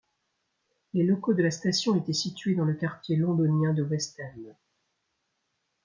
Les locaux de la station étaient situés dans le quartier londonien de West End.